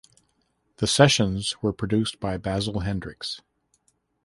The sessions were produced by Basil Hendricks.